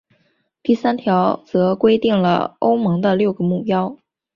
第三条则规定了欧盟的六个目标。